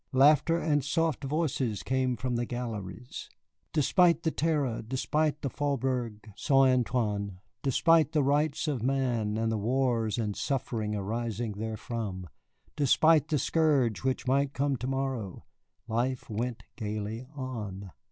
Laughter and soft voices came from the galleries. Despite the Terror, despite the Faubourg Saint Antoine, despite the Rights of Man and the wars and suffering arising therefrom, despite the scourge which might come to morrow, life went gayly on.